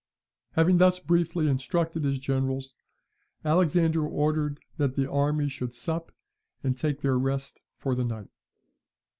Having thus briefly instructed his generals, Alexander ordered that the army should sup, and take their rest for the night.